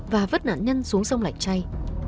và vứt nạn nhân xuống sông lạnh chay